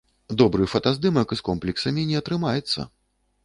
Добры фотаздымак з комплексамі не атрымаецца.